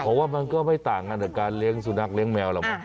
เพราะว่ามันก็ไม่ต่างกันกับการเลี้ยงสุนัขเลี้ยแมวหรอกมั้